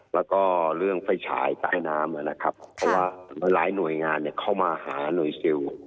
แล้วก็เรื่องไฟฉายใต้น้ำนะครับเพราะว่าหลายหน่วยงานเข้ามาหาหน่วยซิล